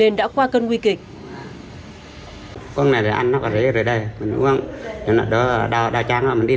nên đã qua cơn nguy kịch